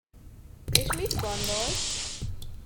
És mit gondolsz?